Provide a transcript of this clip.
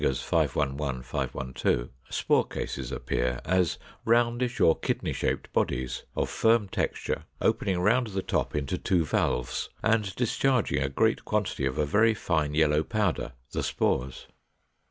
511, 512) spore cases appear, as roundish or kidney shaped bodies, of firm texture, opening round the top into two valves, and discharging a great quantity of a very fine yellow powder, the spores.